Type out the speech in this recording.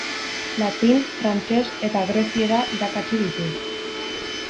Latin, frantses eta greziera irakatsi ditu.